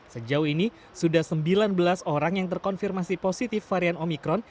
sejauh ini sudah sembilan belas orang yang terkonfirmasi positif varian omikron